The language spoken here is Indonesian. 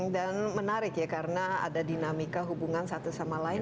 dan menarik ya karena ada dinamika hubungan satu sama lain